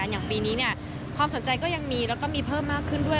อย่างปีนี้ความสนใจก็ยังมีแล้วก็มีเพิ่มมากขึ้นด้วย